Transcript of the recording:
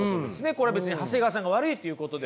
これは別に長谷川さんが悪いということではなくて。